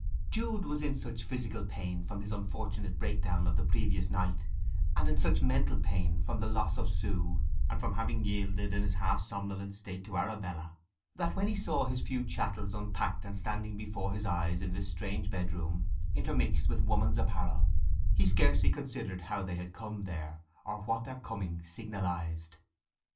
Jude was in such physical pain from his unfortunate break down of the previous night, and in such mental pain from the loss of Sue and from having yielded in his half somnolent state to Arabella, that when he saw his few chattels unpacked and standing before his eyes in this strange bedroom, intermixed with woman's apparel, he scarcely considered how they had come there, or what their coming signalized.